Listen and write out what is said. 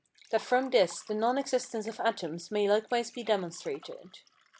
That from this the non existence of atoms may likewise be demonstrated.